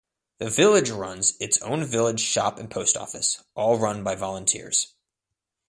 The village runs its own village shop and post office, all run by volunteers.